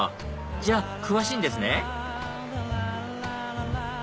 じゃあ詳しいんですね